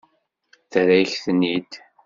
Terra-yak-ten-id.